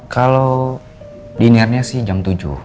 kalo dinernya sih jam tujuh